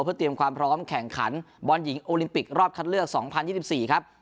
เพื่อเตรียมความพร้อมแข่งขันบอลหญิงโอลิมปิกรอบคัดเลือกสองพันยี่สิบสี่ครับ